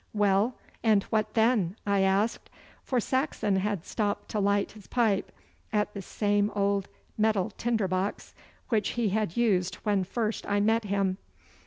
'Well, and what then?' I asked, for Saxon had stopped to light his pipe at the same old metal tinder box which he had used when first I met him.